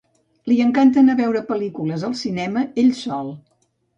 Li encanta anar a veure pel·lícules al cinema ell sol.